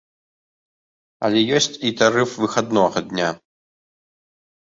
Але ёсць і тарыф выхаднога дня.